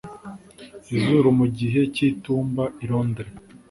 izuru mu gihe cy'itumba, i londres